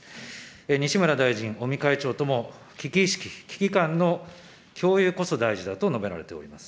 西村大臣、尾身会長とも危機意識、危機感の共有こそ大事だと述べられております。